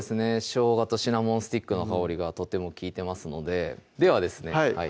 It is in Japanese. しょうがとシナモンスティックの香りがとても利いてますのでではですね